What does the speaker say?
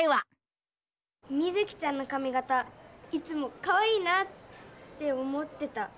ミズキちゃんのかみ形いつもかわいいなって思ってた。